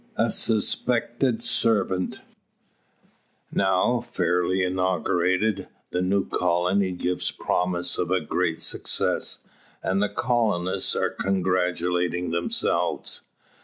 A SUSPECTED SERVANT. Now fairly inaugurated, the new colony gives promise of a great success; and the colonists are congratulating themselves.